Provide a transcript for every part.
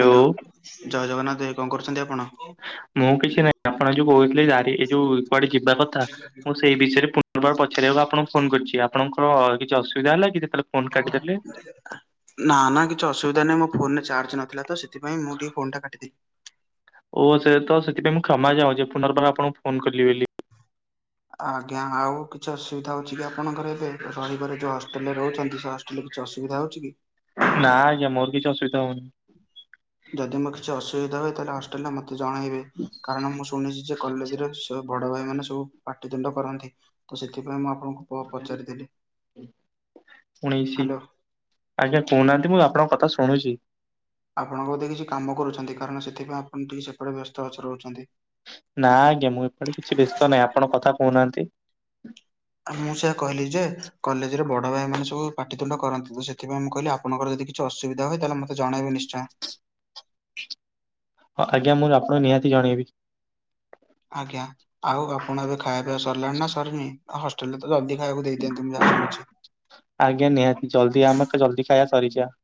Hello ଜୟ ଜଗନ୍ନାଥ ଏ କଣ କରୁଛନ୍ତି ଆପଣ? ମୁଁ କିଛି ନାହିଁ ଆପଣ ଯୋଉ କହୁଥିଲେ ଏ ଯୋଉ କୁଆଡେ ଯିବା କଥା। ସେଇ ବିଷୟରେ ପୁନର୍ବାର ପଚାରିବାକୁ ଆପଣଙ୍କୁ ଫୋନ କରିଛି। ଆପଣଙ୍କର କିଛି ଅସୁବିଧା ହେଲା କି ଯେତେବେଳେ? ଫୋନ କାଟିଦେଲେ? ନା ନା କିଛି ଅସୁବିଧା ନାହିଁ ମୋ ଫୋନରେ ଚାର୍ଜ କିଛି ନଥିଲା ତ ସେଥିପାଇ ମୁଁ ଟିକେ ଫୋନ କାଟି ଦେଲି। ଓ ସେ ତ ସେଥିପାଇଁ ମୁଁ କ୍ଷମା ଯାଉଛି ପୁନର୍ବାର ଆପଣଙ୍କୁ ଫୋନ କଲିି ବୋଲି। ଆଜ୍ଞା ଆଉ କିଛି ଅସୁବିଧା ଅଛି କି ଆପଣଙ୍କର ଏବେ ରହିବାର ଯୋଉ ହଷ୍ଟେଲରେ ରହୁଛନ୍ତି? ଲେ କିଛି ଅସୁବିଧା ହଉଛି କି? ନାଁ ଆଜ୍ଞା ମୋର କିଛି ଅସୁବିଧା ହଉନି। ଯଦି ମୋ କିଛି ଅସୁବିଧା ହୁଏ ତାହେଲେ ହଷ୍ଟେଲରେ ମତେ ଜଣେଇବେ କାରଣ ମୁଁ ଶୁଣିଛି ଯେ କଲେଜରେ ବଡ ଭାଇ ମାନେ ସବୁ ପାଟିିତୁଣ୍ଡ କରନ୍ତି ତ ସେଥିପାଇଁ ମୁଁ ଆପଣଙ୍କୁ ପଚାରିଦେଲି ଉଣେଇଶି। ହ୍ୟାଲୋ। ଆଜ୍ଞା କହୁନାହାନ୍ତି ମୁଁ ଆପଣଙ୍କ କଥା ଶୁଣୁଛି। ଆପଣ ବୋଧେ କିଛି କାମ କରୁଛନ୍ତି କାରଣ ସେଥିପାଇଁ ଆପଣ ଟିକେ ସେପଟେ ବ୍ୟସ୍ତ ଅଛ ରହୁଛନ୍ତି। ନା ଆଜ୍ଞା ମୁଁ ଏପଟେ କିଛି ବ୍ୟାସ୍ତ ନାହିଁ ଆପଣ କଥା କହୁନାହାନ୍ତି? ମୁଁ ସେଆ କହିଲି ଯେ କଲେଜରେ ବଡ ଭାଇ ମେ ସବୁ ପାଠିତୁଣ୍ଡ କରନ୍ତି ତ ସେଥିପାଇଁ ମୁଁ କହିଲି ଆ ଆପଣର ଯଦ କିଛି ଅସୁବିଧା ହୁଏ ତାହେଲେ ମତେ ଜଣେଇବେ ନିଶୟ। ହଁ ଆଜ୍ଞା ମୁଁ ଆପଣଙ୍କୁ ନିହାତି ଜଣେଇବି। ଆଜ୍ଞା ଆଉ ଆପଣ ଏବେ ଖାଇବା ପିଆବା ସରିଲାଣି ନା ସରିନି? ହଷ୍ଟେଲରେ ତ ଜଲଦ ଖବାକୁ ଦେଇଦିଅନ୍ତୁ ଯାହାଛି। ଆଜ୍ଞା ନିହାତି ଜଲ୍ଦି ଆମେ ଜଲ୍ଦି ଖାଇବା ସରିଯାଏ।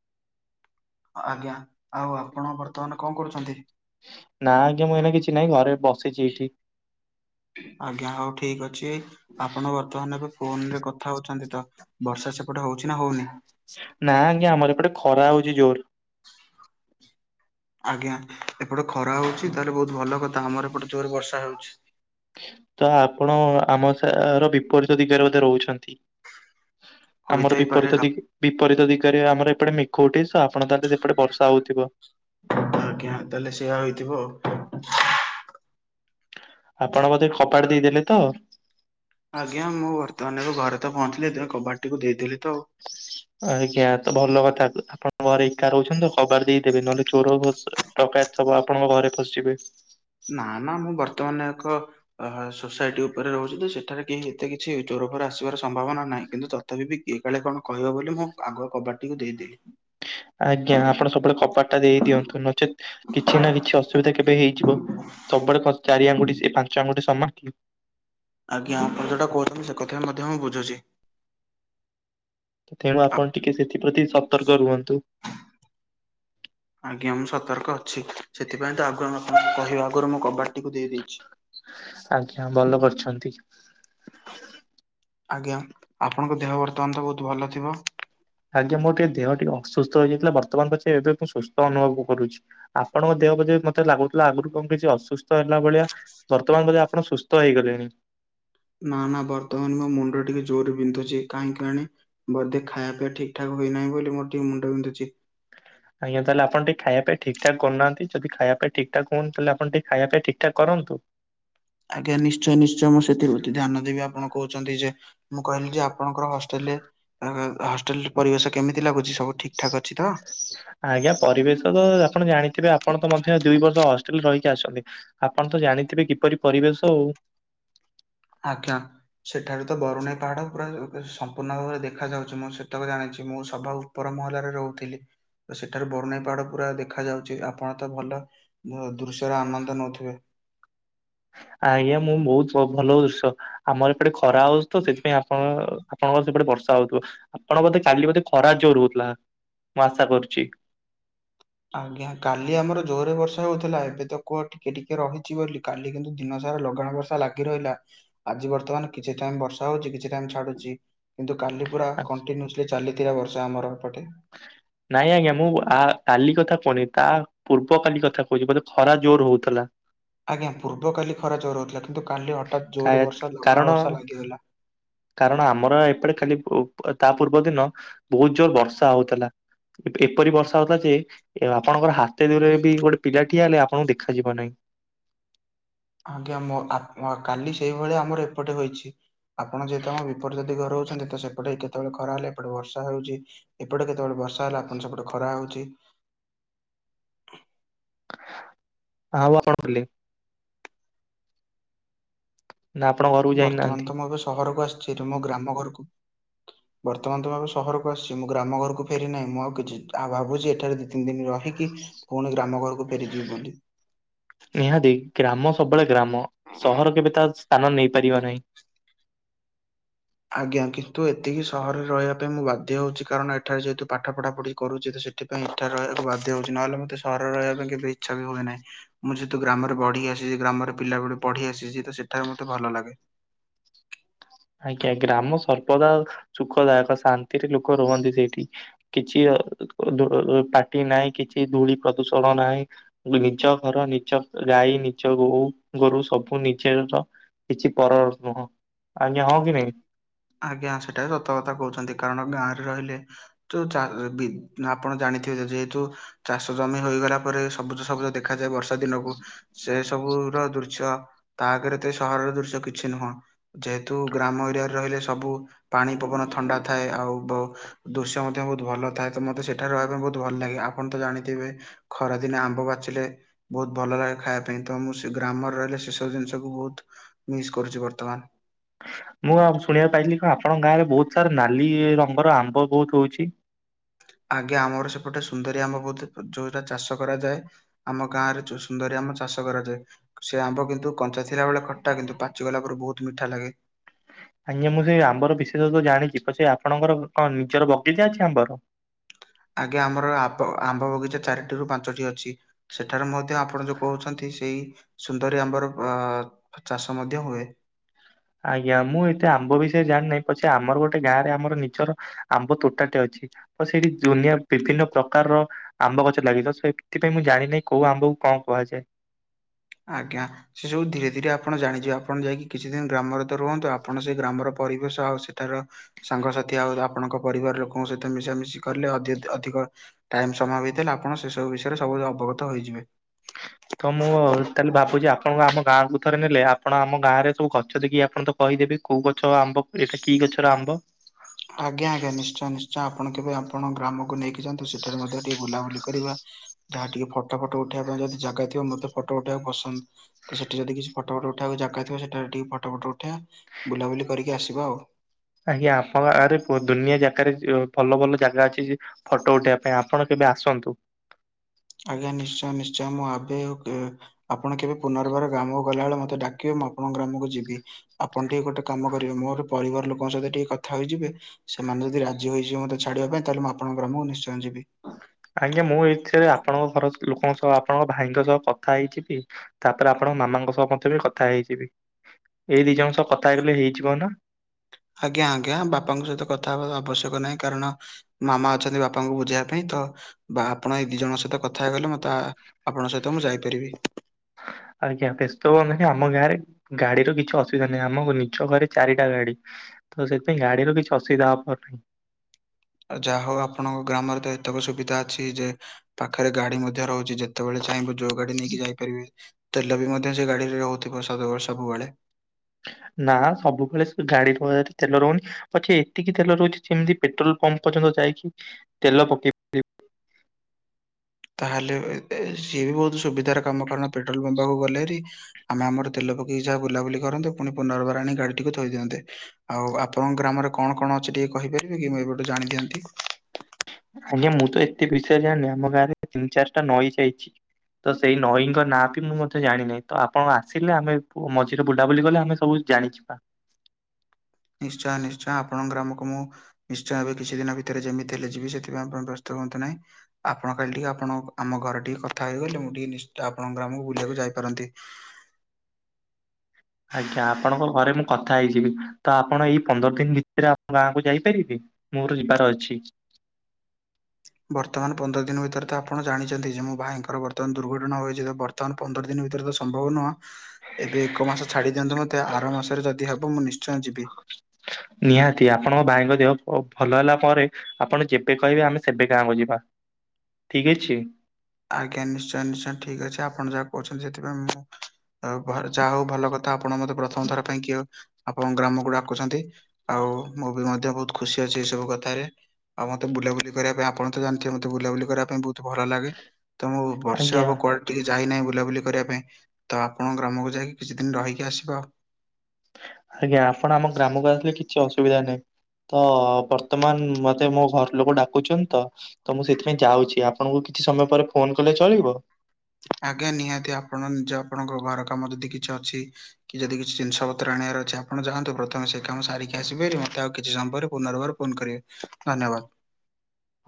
ଆଜ୍ଞା ଆଉ ଆପଣ ବର୍ତ୍ତମାନ କଣ କରୁଛନ୍ତି? ନା ଆଜ୍ଞା ମୁଁ ଏଇନା କିଛି ନାଇଁ ଘରେ ବସିଛି ଏଇଠି। ଆଜ୍ଞା ହଉ ଠିକ ଅଛି। ଛି ଆପଣ ବର୍ତ୍ତମାନ ଏବେ ଫୋନ ରେ କଥା ହଉଛନ୍ତି ତ ବର୍ଷା ସେପଟେ ହଉଛି ନା ହଉନି? ନା ଆଜ୍ଞା ଆମର ଏପଟେ ଖରା ହଉଛି ଜୋର। ଆଜ୍ଞା ଏପଟେ ଖରା ହଉଛି ତାହେଲେ ବହୁତ ଭଲ କଥା ଆମର ଏପଟେ ଜୋର ବର୍ଷା ହଉଛି। ତ ଆପଣ ଆମ ସ ର ବିପରୀତ ଦିଗରେ ବୋଧେ ରହୁଛନ୍ତି। ଆମର ହୋଇଥାଇପାରେ ବିପରୀତ ଆପ ଦି ବିପରୀତ ଦିଗରେ ଆମର ଏପଟେ ମେଘ ଉଠେଇସ ଆପଣ ତାହେଲେ ସେପଟେ ବର୍ଷା ହଉଥିବ। ଆଜ୍ଞା ତାହେଲେ ସେୟଆ ହେଇଥିବ ଆଉ। ଆପଣ ବୋଧେ ଖୋପାଢ଼ି ଦେଇଦେଲେ ତ। ଆଜ୍ଞା ମୁଁ ବର୍ତ୍ତମାନ ଘରେ ତ ପହଞ୍ଚିଲି ତ କବାଡ଼ି ଟିକୁ ଦେଇଦଥିଲି ତ। ଆଜ୍ଞା ତ ଭଲ କଥା ଆପଣଙ୍କ ଘରେ ଏକା ରହୁଛନ୍ତି ତ କବାଟ ଦେଇଦେବେ ନହେଲେ ଚୋର ଟକାୟ ସବ ଆପଣଙ୍କ ଘରେ ପସିଜିବେ। ନା ନା ମୁଁ ବର୍ତ୍ତମାନ ଏକ ଅ ହ ସୋସାଇଟି ଉପରେ ରହୁଛି ସେଠାରେ କେହି ଏତେ କିଛି ଚୋରଫୋର ଆସିବାର ସମ୍ଭାବନା ନାହିଁ। କିନ୍ତୁ ତଥାପି ବି କାଳେ କଣ କହିବ ବୋଲି ମୁଁ ଆଗ କବାଟ ଟିକୁ ଦେଇଦେଲି। ଆଜ୍ଞା ଆପଣ ସବୁବେଳେ କବାଟ କଟା ଦେଇ ଦିଅନ୍ତୁ ନଚେତ୍ କିଛି ନା କିଛି ଅସୁବିଧା କେବେ ହେଇଯିବ ସବୁବେଳେ କ ଚାରି ଆଙ୍ଗୁଠି ସେ ପାଞ୍ଚ ଆଙ୍ଗୁଠି ସମାନ। ଆଜ୍ଞା ଆପଣ ଯୋଉଟା କହୁଛନ୍ତି ସେ କଥା ମଧ୍ୟ ମୁଁ ବୁଝୁଛି। ତେଣୁ ଆପଣ ଆପ- ଟିକେ ସେଥିପ୍ରତି ସତର୍କ ରୁହନ୍ତୁ। ଆଜ୍ଞା ମୁଁ ସତର୍କ ଅଛି ସେଥିପାଇଁ ତ ଆଗଆ କହିବା ଆଗରୁ ମୁଁ କବାଟ ଆଜ୍ଞା ଭଲ କରିଛନ୍ତି। ଆଜ୍ଞା ଆପଣଙ୍କ ଦେହ ବର୍ତ୍ତମାନ ତ ବହୁତ ଭଲ ଥିବ। ଆଜ୍ଞା ମୋ ଟିକେ ଦେହ ଟିକେ ଅସୁସ୍ଥ ହେଇଯାଇଥିଲା ବର୍ତ୍ତମାନ ପଛେ ଏବେ ମୁଁ ସୁସ୍ଥ ଅନୁଭବ କ-କରୁଛି। ଆପଣଙ୍କ ଦେହ ବୋଧେ ମତେ ଲାଗୁଥିଲା ଆଗୁରୁ କଣ କିଛି ଅସୁସ୍ଥ ହେଲା ଭଳିଆ? ବର୍ତ୍ତମାନ ବୋଧେ ଆପଣ ସୁସ୍ଥ ହେଇଗଲେଣି? ନା ନା ବର୍ତ୍ତମାନ ମୋ ମୁଣ୍ଡ ଟିକେ ଜୋରେ ବିନ୍ଧୁଚି କାହିଁ କେଜାଣି। ବୋଧେ ଖାଇଆ ପିଆ ଠିକ ଠାକ ହୋଇନାହିଁ ବୋଲି ମୋର ଟିକେ ମୁଣ୍ଡ ବିନ୍ଧୁଚି। ଆଜ୍ଞା ତାହାଲେ ଆପଣ ଟିକେ ଖାଇଆ, ପିଆ ଠିକ ଠାକ କରୁ ନାହାନ୍ତି, ଯଦି ଖାଇଆ, ପିଆ ଠିକ ଠାକ ହଉନି, ତାହେଲେ ଆପଣ ଟିକେ ଖାଇଆ, ପିଆ ଠିକ ଠାକ୍ କରନ୍ତୁ। ଆଜ୍ଞା ନିଶ୍ଚୟ ନିଶ୍ଚୟ ମୁଁ ସେଥିପ୍ରତି ଧ୍ୟାନ ଦେବି, ଆପଣ କହୁଛନ୍ତି ଯେ ମୁଁ କହିଲି ଯେ ଆପଣଙ୍କର ହଷ୍ଟେଲରେ ଏ-ଏ ହଷ୍ଟେଲରେ ପରିବେଶ କେମିତି ଲାଗୁଚି ସବୁ ଠିକ ଠାକ୍ ଅଛି ତ? ଆଜ୍ଞା ପରିବେଶ ତ ଆପଣ ଜାଣିଥିବେ ଆପଣ ତ ମଧ୍ୟ ଦୁଇ ବର୍ଷ ହଷ୍ଟେଲରେ ରହିକି ଆସଛନ୍ତି। ଆପଣ ତ ଜାଣିଥିବେ କିପରି ପରିବେଶ ଆଉ। ଆଜ୍ଞା। ସେଠାରୁ ତ ବରୁଣେଇ ପାହାଡ ପୁରା ସମ୍ପୂର୍ଣ୍ଣ ଭାବରେ ଦେଖା ଯାଉଚି, ମୁଁ ସେତକ ଜାଣିଛି ମୁଁ ସବା ଉ ଉପର ମହଲାରେ ରହୁଥିଲି ତ ସେଠାରୁ ବରୁଣେଇ ପାହାଡ ପୁରା ଦେଖା ଯାଉଚି ଆପଣ ତ ଭଲ ଦୃଶ୍ୟର ଆନନ୍ଦ ନଉଥିବେ। ଆଜ୍ଞା ମୁଁ ବହୁତ ଭଲ ଦୃଶ୍ୟ ଆମର ଏପଟେ ଖରା ହଉଚି ତ ସେଥିପାଇଁ ଆପଣ ଆପଣଙ୍କର ସେପଟେ ବର୍ଷା ହଉଥିବ, ଆପଣ ବୋଧେ କାଲି ବୋଧେ ଖରା ଜୋର ହଉଥିଲା ମୁଁ ଆଶା କରୁଚି। ଆଜ୍ଞା କାଲି ଆମର ଜୋରେ ବର୍ଷା ହଉଥିଲା ଏବେ ତ କୁହ ଟିକେ ଟିକେ ରହିଛି ବୋଲି, କାଲି କିନ୍ତୁ ଦିନ ସାରା ଲଗାଣ ବର୍ଷା ଲାଗି ରହିଲା ଆଜି ବର୍ତ୍ତମାନ କିଛି ଟାଇମ ବର୍ଷା ହଉଚି କିଛି ଟାଇମ ଛାଡୁଚି। କିନ୍ତୁ କାଲି ପୁରା କଣ୍ଟିନୁସଲି ଚାଲିଥିଲା ବର୍ଷା ଆମର ଏପଟେ। ନାଇଁ ଆଜ୍ଞା ମୁଁ ଆ କାଲି କଥା କୁହନି ତା ପୂର୍ବ କାଲି କଥା କହୁଚି ବୋଧେ ଖରା ଜୋର ହଉଥିଲା। ଆଜ୍ଞା ପୂର୍ବ କାଲି ଖରା ଜୋର ହଉଥିଲା କିନ୍ତୁ କାଲି ହଠାତ୍ ଜୋରେ ବର୍ଷା ଲଗାଣ କାରଣ ବର୍ଷା ଲାଗିଗଲା। କାରଣ ଆମର ଏପଟେ ଖାଲି ତା ପୂର୍ବ ଦିନ ବହୁତ ଜୋର ବର୍ଷା ହଉଥିଲା। ଏପ-ଏପରି ବର୍ଷା ହେଉଥିଲା ଯେ, ଆପଣଙ୍କର ହାତେ ଦୂରେ ବି ଗୋଟେ ପିଲା ଠିଆ ହେଲେ ଆପଣଙ୍କୁ ଦେଖାଯିବ ନାହିଁ। ଆଜ୍ଞା ମ ଆ କାଲି ସେଇଭଳିଆ ଆମର ଏପଟେ ହୋଇଚି। ଆପଣ ଯେହେତୁ ଆମ ବିପରୀତ ଦିଗରେ ରହୁଛନ୍ତି ତ ସେପଟେ ଏତେ କେତେବେଳେ ଖରା ହେଲେ ଏପଟେ ବର୍ଷା ହଉଚି, ଏପଟେ କେତେବେଳେ ବର୍ଷା ହେଲା ଆପଣଙ୍କ ସେପଟେ ଖରା ହଉଚି। ଆଉ ଆପଣ [unintelligible] ନା ଆପଣଙ୍କ ବର୍ତ୍ତମାନ ତ ମୁଁ ଏବେ ସହରକୁ ଆସଚି, ତ ମୋ ଗ୍ରାମ ଘରକୁ ହ ବର୍ତ୍ତମାନ ତ ମୁଁ ଏବେ ସହରକୁ ଆସିଚି, ମୁଁ ଗ୍ରାମ ଘରକୁ ଫେରି ନାହିଁ ମୁଁ ଆଉ କିଛି ଯାହା ଭାବୁଚି ଏଠାରେ ଦି ତିନି ଦିନ ରହି କି ପୁଣି ଗ୍ରାମ ଘରକୁ ଫେରିଯିବି ବୋଲି। ନିହାତି ଗ୍ରାମ ସବୁବେଳେ ଗ୍ରାମ, ସହର କେବେ ତା ସ୍ଥାନ ନେଇପାରିବ ନାହିଁ। ଆଜ୍ଞା କିନ୍ତୁ ଏତିକି ସହରରେ ରହିବା ପାଇଁ ମୁଁ ବାଧ୍ୟ ହଉଚି, କାରଣ ଏଠାରେ ଯେହେତୁ ପାଠ ପଢା ପଢି କରୁଚି ତ ସେ ଏଥିପାଇଁ ଏଠାରେ ରହିଆକୁ ବାଧ୍ୟ ହଉଚି ନହେଲେ ମୋତେ ସହରରେ ରହିବା ପାଇଁ କେବେ ଇଚ୍ଛା ବି ହୁଏ ନାହିଁ। ମୁଁ ଯେହେତୁ ଗ୍ରାମରେ ବଢିକି ଆସିଚି, ଗ୍ରାମରେ ପିଲାବେଳୁ ପଢି ଆସିଚି ତ ସେଠାରେ ମତେ ଭଲ ଲାଗେ। ଆଜ୍ଞା ଗ୍ରାମ ସର୍ବଦା ସୁଖଦାୟକ ଶାନ୍ତିରେ ଲୋକ ରୁହନ୍ତି ସେଇଠି। କିଛି ପାଟି ନାହିଁ, କିଛି ଧୂଳି ପ୍ରଦୂଷଣ ନାହିଁ। ନିଜ ଘର, ନିଜ ଗାଈ, ନିଜ ଗୋ ଗୋରୁ ସବୁ ନିଜର। କିଛି ପରର ନୁହଁ। ଆଜ୍ଞା ହଁ କି ନାହିଁ? ଆଜ୍ଞା ସେଟା ସତ କଥା କହୁଛନ୍ତି କାରଣ ଗାଁ ରେ ରହିଲେ ତୁ ଚା ବିତ ଆପଣ ଜାଣିଥିବେ ଯେହେତୁ ଚାଷ ଜମି ହୋଇଗଲା ପରେ ସବୁଜ ସବୁଜ ଦେଖାଯାଏ ବର୍ଷା ଦିନକୁ, ସେ ସବୁର ଦୃଶ୍ୟ ତା ଆଗରେ ତ ଏ ସହରର ଦୃଶ୍ୟ କିଛି ନୁହଁ। ଯେହେତୁ ଗ୍ରାମ ଏରିଆରେ ରହିଲେ ସବୁ ପାଣି ପବନ ଥଣ୍ଡା ଥାଏ ଆଉ ବ। ଦୃଶ୍ୟ ମଧ୍ୟ ବହୁତ ଭଲ ଥାଏ, ତ ମୋତେ ସେଠାରେ ରହିବା ପାଇଁ ବହୁତ ଭଲ ଲାଗେ, ଆପଣ ତ ଜାଣିଥିବେ। ଖରାଦିନେ ଆମ୍ବ ପାଚିଲେ ବହୁତ ଭଲ ଲାଗେ ଖାଇବା ପାଇଁ ତ ମୁଁ ସେ ଗ୍ରାମର ରହିଲେ ସେ ସବୁ ଜିନିଷକୁ ବହୁତୁ ମିସ୍ କରୁଛି ବର୍ତ୍ତମାନ। ମୁଁ ଆଉ ଶୁଣିବାକୁ ପାଇଲିି କଣ ଆପଣଙ୍କ ଗାଁ ରେ ବହୁତ ସାରା ନାଲି ରଙ୍ଗର ଆମ୍ବ ବହୁତୁ ହୋଇଛି? ଆଜ୍ଞା ଆମର ସେପଟେ ସୁନ୍ଦରୀ ଆମ୍ବ ବୋଧେ ଯଉଟା ଚାଷ କରାଯାଏ। ଆମ ଗାଁରେ ଚୁ ସୁନ୍ଦରୀ ଆମ୍ୱ ଚାଷ କରାଯାଏ। ସେ ଆମ୍ବ କିନ୍ତୁ କଞ୍ଚା ଥିଲା ବେଳେ ଖଟା କିନ୍ତୁ ପାଚିଗଲା ପରେ ବହୁତୁ ମିଠା ଲାଗେ। ଆଜ୍ଞା ମୁଁ ସେଇ ଆମ୍ବର ବିଶେଷତ ଜାଣିଛି ପଛେ ଆପଣଙ୍କର କଣ ନିଜର ବଗିଚା ଅଛି ଆମ୍ବର? ଆଜ୍ଞା ଆମର ଆବ ଆମ୍ବ ବଗିଚା ଚାରିଟି ରୁ ପାଞ୍ଚଟି ଅଛି ସେଠାରେ ମ ଧ୍ୟ ଆପଣ ଯୋଉ କହୁଛନ୍ତି ସେଇ ସୁନ୍ଦରୀ ଆମ୍ୱ ର ଆ ଚାଷ ମଧ୍ୟ ହୁଏ। ଆଜ୍ଞା ମୁଁ ଏତେ ଆମ୍ବ ବିଷୟରେ ଜାଣିିନାହିଁ ପଛେ ଆମର ଗୋଟେ ଗାଁ ରେ ଆମର ନିଜର ଆମ୍ବ ତୋଟାଟେ ଅଛି। ତ ସେଇଠି ଦୁନିଆ ବିଭିନ୍ନ ପ୍ରକାରର ଆମ୍ବ ଗଛ ଲାଗିଚି ତ ସେଥିପାଇଁ ମୁଁ ଜାଣିିନାଇ କୋଉ ଆମ୍ବକୁ କଣ କୁହାଯାଏ। ଆଜ୍ଞା। ସେ ସବୁ ଧୀରେ ଧୀରେ ଆପଣ ଜାଣିଯିବେ ଆପଣ ଯାଇକି କିଛି ଦିନ ଗ୍ରାମରେ ତ ରୁହନ୍ତୁ ଆପଣ ସେ ଗ୍ରାମର ପରିବେଶ ଆଉ ସେଠାର ସାଙ୍ଗସାଥି ଆଉ ଆପଣଙ୍କ ପରିବାର ଲୋକଙ୍କ ସହିତ ମିଶାମିଶି କଲେ ଅଧି ଅଧିକ ଟାଇମ ସମୟ ଭିତଲେ ଆପଣ ସେ ସବୁ ବିଷୟରେ ସବୁ ଅବଗତ ହୋଇଯିବେ। ତ ମୁଁ ତାହେଲେ ଭାବୁଛି ଆପଣଙ୍କ ଆମ ଗାଁକୁ ଥରେ ନେଲେ ଆପଣ ଆମ ଗାଁ ରେ ସବୁ ଗଛ ଦେଖିକି ଆପଣ ତ କହିଦେବି କୋଉ ଗଛ ଆମ୍ବ ଏଇଟା କି ଗଛର ଆମ୍ବ ଆଜ୍ଞା ଆଜ୍ଞା ନିଶ୍ଚୟ ନିଶ୍ଚୟ ଆପଣ କେବେ ଆପଣ ଗ୍ରାମକୁ ନେଇକି ଯଆନ୍ତୁ ସେ ଏଠାରେ ଟିକେ ବୁଲାବୁଲି କରିବା ଯାହା ଟିକେ ଫଟା ଫଟୋ ଉଠେଇବା ପାଇଁ ଯଦି ଜାଗା ଥିବ ମୋତେ ଫଟୋ ଉଠେଇବାକୁ ପସନ୍ଦ। ତ ସେଠି ଯଦି କିଛି ଫଟୋ ଫଟୋ ଉଠେଇବାକୁ ଜାଗା ଥିବ ସେଠାରେ ଟିକେ ଫଟୋ ଫଟୋ ଉଠେଇବା ବୁଲାବୁଲି କରିକି ଆସିବା ଆଉ। ଆଜ୍ଞା ଆପଣ ଆରେ ପୁଅ ଦୁନିଆ ଜାକାରେ ଭଲ ଭଲ ଜାଗା ଅଛି ଫଟୋ ଉଠେଇବା ପାଇଁ ଆପଣ କେବେ ଆସନ୍ତୁ। ଆଜ୍ଞା ନିଶ୍ଚୟ ନିଶ୍ଚୟ ମୁଁ ଆବେ ଆପଣ କେବେ ପୁନର୍ବାର ଗ୍ରାମକୁ ଗଲାବେଳେ ମତେ ଡାକିବେ ମୁଁ ଆପଣଙ୍କ ଗ୍ରାମକୁ ଯିବି। ଆପଣ ଟିକେ ଗୋଟେ କାମ କରିବେ ମୋର ପରିବାର ଲୋକଙ୍କ ସହିତ ଟିକେ କଥା ହେଇଯିବେ ସେମାନେ ଯଦି ରାଜି ହୋଇଇଯିବ ମୋତେ ଛାଡିବା ପାଇଁ ତାହେଲେ ମୁଁ ଆପଣଙ୍କ ଗ୍ରାମକୁ ନିଶ୍ଚୟ ଯିବି। ଆଜ୍ଞା ମୁଁ ଏଥିରେ ଆପଣଙ୍କ ଘର ଲୋକଙ୍କ ସହ ଆପଣଙ୍କ ଭାଇଙ୍କ ସହ କଥା ହେଇଯିବି ତାପରେ ଆପଣଙ୍କ ମାମାଙ୍କ ସହ ମତେ ବି କଥା ହେଇଯିବି ଏଇ ଦି ଜଣଙ୍କ ସହ କଥା ହେଇଗଲେ ହେଇଯିବ ନା? ଆଜ୍ଞା ଆଜ୍ଞା ବାପାଙ୍କ ସହିତ କଥା ହେବାର ଆବଶ୍ୟକ ନାହିଁ କାରଣ ମାମା ଅଛନ୍ତି ବାପାଙ୍କୁ ବୁଝେଇବା ପାଇଁ ତ ବା ଆପଣ ଏଇ ଦି ଜଣଙ୍କ ସହିତ କଥା ହେଗଲେ ମ ତା ଆପଣଙ୍କ ସହିତ ମୁଁ ଯାଇପାରିବି। ଆଜ୍ଞା ବ୍ୟସ୍ତ ହୁଏ ନାହିଁ ଆମ ଗାଁରେ ଗାଡିର କିଛି ଅସୁବିଧା ନାହିଁ ଆମ ନିଜ ଘରେ ଚାରିଟା ଗାଡି। ତ ସେଥିପାଇଁ ଗାଡିରୁ କିଛି ଅୁବିଧା ହବ ନାହିଁ। ଯାହା ହଉ ଆପଣଙ୍କ ଗ୍ରାମରେ ତ ଏତକ ସୁବିଧା ଅଛି ଯେ ପାଖରେ ଗାଡି ମଧ୍ୟ ରହୁଛି ଯେତେବେଳେ ଚାହିଁବ ଯୋଉ ଗାଡି ନେଇକି ଯାଇପାରିବେ ତେଲ ବି ମଧ୍ୟ ସେ ଗାଡିରେ ରହୁଥିବ ସଦାବେଳେ ସବୁବେଳେ। ନା ସବୁବେଳେ ସେ ୟାଉରେ ଗାଡିରେ ତେଲ ରହୁନି। ପଛେ ଏତିକି ତେଲ ରହୁଛି ଯେମିତି ପେଟ୍ରୋଲ ପମ୍ପ ପର୍ଯ୍ୟନ୍ତ ଯାଇକି ତେଲ ପକେଇ ତାହେଲେ ସିଏ ବି ବହୁତ ସୁବିଧାର କାମ କାରଣ ପେଟ୍ରୋଲ ପମ୍ପ ପାଖକୁ ଗଲେ ହେରୀ ଆମେ ଆମ ତେଲ ପକେଇକି ଯାହା ବୁଲାବୁଲି କରନ୍ତେ ପୁଣି ପୁନର୍ବାର ଆଣି ଗାଡ଼ିଟିକୁ ଥୋଇ ଦିଅନ୍ତେ। ଆଉ ଆପଣଙ୍କ ଗ୍ରାମରେ କଣ କଣ ଅଛି ଟିକେ କହିପାରିବେ କି? ମୁଁ ଏପଟୁ ଜାଣି ଦିଅନ୍ତି। ଆଜ୍ଞା ମୁଁ ତ ଏତେ ବିଷୟରେ ଜାଣିନି ଆମ ଗାଁରେ ତିନି ଚାରିଟା ନଈ ଯାଇଛି। ତ ସେଇ ନଈଙ୍କ ନାଁ ବି ମୁଁ ମଧ୍ୟ ଜାଣିିନାହିଁ ତ ଆପଣ ଆସିଲେ ଆମେ ମଝିରେ ବୁଲା ବୁଲି ଗଲେ ଆମେ ସବୁ ଜାଣିଛିବା। ନିଶ୍ଚୟ ନିଶ୍ଚୟ ଆପଣଙ୍କ ଗ୍ରାମକୁ ମୁଁ ନିଶ୍ଚୟ ଏବେ କିଛି ଦିନ ଭିତରେ ଯେମିତି ହେଲେ ଯିବି ସେଥିପାଇଁ ଆପଣ ବ୍ୟସ୍ତ ହୁଅନ୍ତୁ ନାହିଁ। ଆପଣ କାଲି ଟିକେ ଆପଣ ଆମ ଘରେ ଟିକେ କଥା ହେଇଗଲେ ମୁଁ ଟିକେ ନିଶ୍ଚ ଆପଣଙ୍କ ଗ୍ରାମକୁ ବୁଲିବାକୁ ଯାଇପାରନ୍ତି। ଆଜ୍ଞା ଆପଣଙ୍କ ଘରେ ମୁଁ କଥା ହେଇଯିବି। ତ ଆପଣ ଏଇ ପନ୍ଦର ଦିନ ଭିତରେ ଆମ ଗାଁକୁ ଯାଇପାରିବେ? ମୋର ଯିବାର ଅଛି। ବର୍ତ୍ତମାନ ପନ୍ଦର ଦିନ ଭିତରେ ତ ଆପଣ ଜାଣିଚନ୍ତି ଯେ ମୋ ଭାଇଙ୍କର ବର୍ତ୍ତମାନ ଦୁର୍ଘଟଣା ହୋଇଚି ତ ବର୍ ତମାନ ପନ୍ଦର ଦିନ ଭିତରେ ତ ସମ୍ଭବ ନୁହଁ। ଏବେ ଏକ ମାସ ଛାଡି ଦିଅନ୍ତୁ ମୋତେ ଆର ମାସରେ ଯଦି ହେବ ମୁଁ ନିଶ୍ଚୟ ଯିବି। ନିହାତି ଆପଣଙ୍କ ଭାଇଙ୍କ ଦେହ ପ-ଭଲ ହେଲା ପରେ ଆପଣ ଯେବେ କହିବେ ଆମେ ସେବେ ଗାଁକୁ ଯିବା ଠିକ ଅଛି? ଆଜ୍ଞା ନିଶ୍ଚୟ ନିଶ୍ଚୟ ଠିକ ଅଛି ଆପଣ ଯାହା କହୁଛନ୍ତି ସେଥିପାଇଁ ମୁଁ ଓ ଘର ଯାହା ହଉ ଭଲ କଥା ଆପଣ ମୋତେ ପ୍ରଥମ ଥର ପାଇଁ କିଏ ଆପଣ ଗ୍ରାମକୁ ଡାକୁଛନ୍ତି। ଆଉ ମୁଁ ବି ମଧ୍ୟ ବହୁତ ଖୁସି ଅଛି ଏଇ ସବୁ କଥାରେ। ଆଉ ମୋତେ ବୁଲାବୁଲି କରିବା ପାଇଁ ଆପଣ ତ ଜାଣିଥିବେ ମୋତେ ବୁଲାବୁଲି କରିବା ପାଇଁ ବହୁତ ଭଲ ଲାଗେ। ତ ମୁଁ ବର୍ଷେ ଆଜ୍ଞା ହବ କୁଆଡ କିଛି ଯାଇ ନାହିଁ ବୁଲାବୁଲି କରିବା ପାଇଁ ତ ଆପଣଙ୍କ ଗ୍ରାମକୁ ଯାଇକି କିଛି ଦିନ ରହିକି ଆସିବା। ଆଜ୍ଞା ଆପଣ ଆମ ଗ୍ରାମକୁ ଆସିଲେ କିଛି ଅସୁବିଧା ନାହିଁ। ତ ବର୍ତ୍ତମାନ ମୋତେ ମୋ ଘର ଲୋକ ଡାକୁଛନ୍ତି ତ ତ ମୁଁ ସେଥିପାଇଁ ଯାଉଛି ଆପଣଙ୍କୁ କିଛି ସମୟ ପରେ ଫୋନ୍ କଲେ ଚଳିବ? ଆଜ୍ଞା ନିହାତି ଆପଣ ନିଜ ଆପଣଙ୍କ ଘର କାମ ଯଦି କିଛି ଅଛି କି ଯଦି କିଛି ଜିନିଷ ପତ୍ର ଆଣିବାର ଅଛି ଆପଣ ଯାଆନ୍ତୁ ପ୍ରଥମେ ସେ କାମ ସାରିକି ଆସିବେ ହେରି। ମୋତେ ଆଉ କିଛି ସମୟ ପରେ ପୁନର୍ବାର ଫୋନ୍ କରିବେ ଧନ୍ୟବାଦ।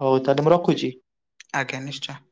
ହଉ ତାହେଲେ ମୁଁ ରଖୁଚି। ଆଜ୍ଞା ନିଶ୍ଚୟ।